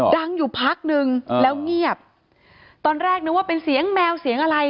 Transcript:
ดังอยู่พักนึงแล้วเงียบตอนแรกนึกว่าเป็นเสียงแมวเสียงอะไร